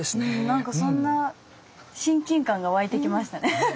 何かそんな親近感が湧いてきましたね。